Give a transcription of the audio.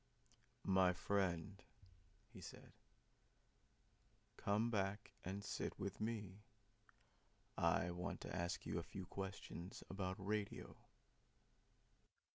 ] "My friend," he said, "come back and sit with me; I want to ask you a few questions about radio."